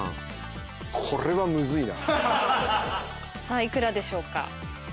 さあ幾らでしょうか？